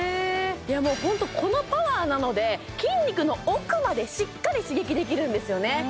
もうホントこのパワーなので筋肉の奥までしっかり刺激できるんですよね